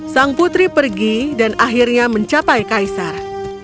sang putri pergi dan akhirnya mencapai kaisar